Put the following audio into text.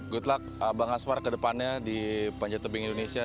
good luck bang asmar ke depannya di panjat tebing indonesia